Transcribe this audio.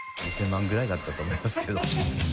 ２０００万ぐらいだったと思いますけど。